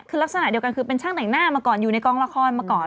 คือลักษณะเดียวกันคือเป็นช่างแต่งหน้ามาก่อนอยู่ในกองละครมาก่อน